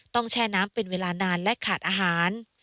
แช่น้ำเป็นเวลานานและขาดอาหาร